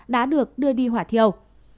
được đưa đi hỏa thiêu